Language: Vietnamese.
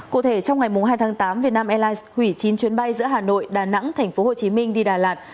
cụ thể trong ngày hai tháng tám vietnam airlines hủy chín chuyến bay giữa hà nội đà nẵng tp hcm đi đà lạt